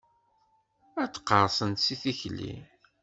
Ad qqerṣent si tikli.